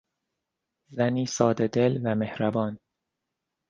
زنی سادهدل و مهربان